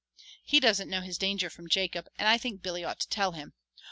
He doesn't know his danger from Jacob and I think Billy ought to tell him.